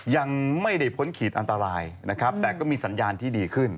ยังไม่ได้พ้นขีดอันตรายนะครับแต่ก็มีสัญญาณที่ดีขึ้น